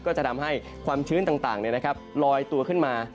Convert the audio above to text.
ก็จะทำให้ความชื้นต่างเนี่ยนะครับลอยตัวขึ้นมา